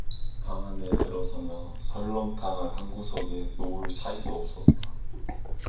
방 안에 들어서며 설렁탕을 한구석에 놓을 사이도 없이